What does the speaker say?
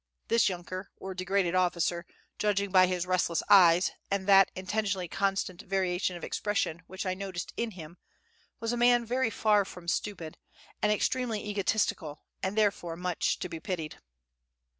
This yunker or degraded officer, judging by his restless eyes and that intentionally constant variation of expression which I noticed in him, was a man very far from stupid, and extremely egotistical, and therefore much to be pitied.